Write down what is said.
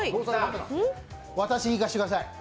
私に行かせてください。